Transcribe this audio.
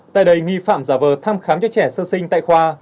tại đây nghi phạm giả vờ thăm khám cho trẻ sơ sinh tại khoa